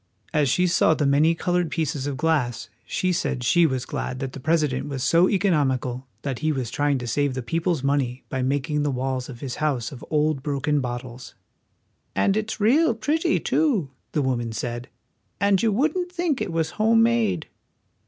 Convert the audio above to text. As she saw the many colored pieces of glass she said she was glad that the President was so economical that Front Door of the White House. THE WHITE HOUSE. 2; he was trying to save the people's money by making the walls of his house of old broken bottles. '* And it's real pretty, too," the woman said, "and you wouldn't think it was homemade."